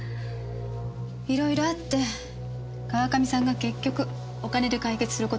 いろいろあって川上さんが結局お金で解決する事になったの。